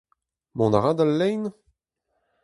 Mont a ra d'al lein ?